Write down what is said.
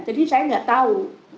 jadi saya tidak tahu